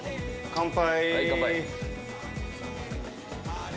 乾杯！